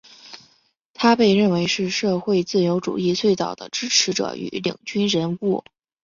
他被认为是社会自由主义最早的支持者与领军人物。